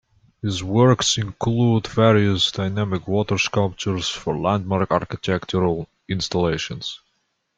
His works include various dynamic water sculptures for landmark architectural installations.